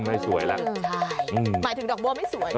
ไม่สวยแล้วหมายถึงดอกบัวไม่สวย